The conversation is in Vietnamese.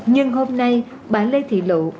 nhưng hôm nay bà lê thị lụ